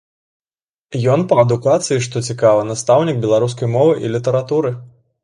Ён па адукацыі, што цікава, настаўнік беларускай мовы і літаратуры.